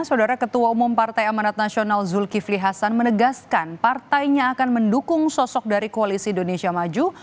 saudara ketua umum partai amanat nasional zulkifli hasan menegaskan partainya akan mendukung sosok dari koalisi indonesia maju